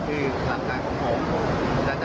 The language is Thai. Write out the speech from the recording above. คือแก่เงินให้ไปตัว